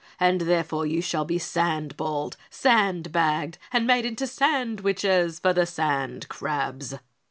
"And therefore you shall be sand balled, sand bagged and made into sandwiches for the sand crabs!"